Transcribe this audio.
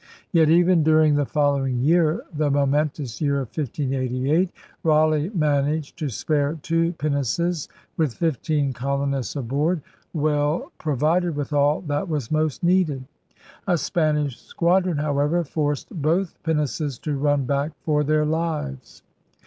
Yet, even during the following year, the momen tous year of 1588, Raleigh managed to spare two pinnaces, with fifteen colonists aboard, well pro vided with all that was most needed. A Spanish squadron, however, forced both pinnaces to run back for their lives.